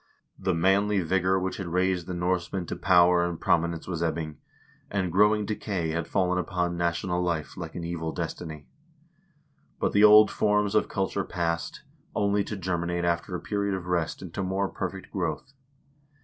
The manly vigor which had raised the Norsemen to power and prom inence was ebbing, and growing decay had fallen upon national life like an evil destiny. But the old forms of culture passed, only to germinate after a period of rest into more perfect growth.